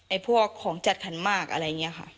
พวกของจัดขันมากอะไรอย่างนี้ค่ะ